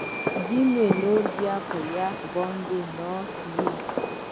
ځینې نور بیا په یخ باندې ناست وي